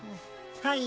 はい。